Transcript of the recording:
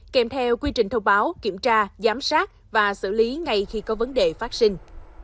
kèm theo quy trình thông báo kiểm tra giám sát và xử lý ngay khi có vấn đề phát sinh